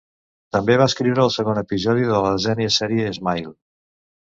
També va escriure el segon episodi de la desena sèrie, "Smile".